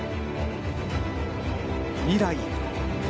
未来へ。